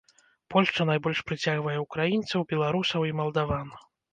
Польшча найбольш прыцягвае ўкраінцаў, беларусаў і малдаван.